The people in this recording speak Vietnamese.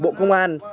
bộ công an